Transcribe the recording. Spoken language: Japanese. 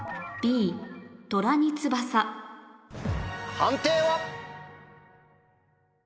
判定は？